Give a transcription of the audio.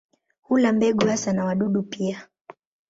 Hula mbegu hasa na wadudu pia.